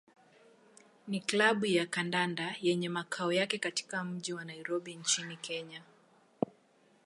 ni klabu ya kandanda yenye makao yake katika mji wa Nairobi nchini Kenya.